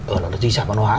ở loạt di sản văn hóa